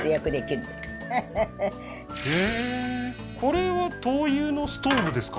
へえーこれは灯油のストーブですか？